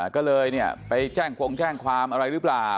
ก็เลยเนี่ยไปแจ้งควงแจ้งความอะไรรึเปล่า